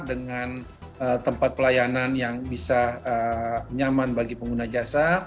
dengan tempat pelayanan yang bisa nyaman bagi pengguna jasa